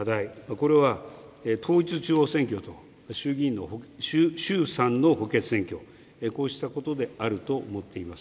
これは統一地方選挙と衆参の補欠選挙、こうしたことであると思っています。